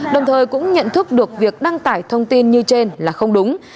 đồng thời cũng nhận thức được việc đăng tải thông tin như trên là không đúng